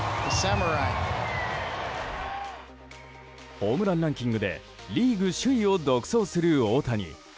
ホームランランキングでリーグ首位を独走する大谷。